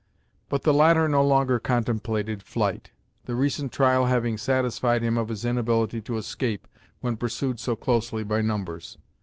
But the latter no longer contemplated flight, the recent trial having satisfied him of his inability to escape when pursued so closely by numbers.